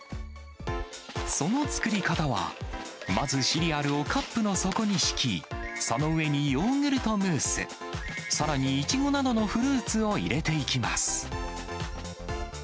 その作り方は、まずシリアルをカップの底に敷き、その上にヨーグルトムース、さらにいちごなどのフルーツを入れていきます。